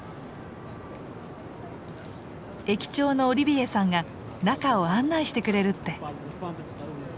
駅長のオリビエさんが中を案内してくれるって。